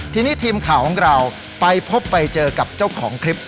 ทีนี้ทีมข่าวของเราไปพบไปเจอกับเจ้าของคลิป